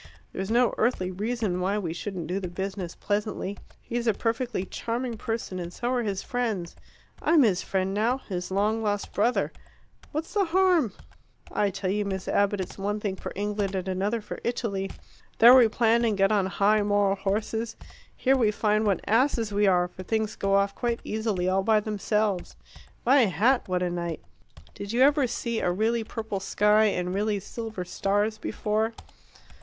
There's no earthly reason why we shouldn't do the business pleasantly. He's a perfectly charming person, and so are his friends. I'm his friend now his long lost brother. What's the harm? I tell you, Miss Abbott, it's one thing for England and another for Italy. There we plan and get on high moral horses. Here we find what asses we are, for things go off quite easily, all by themselves. My hat, what a night! Did you ever see a really purple sky and really silver stars before?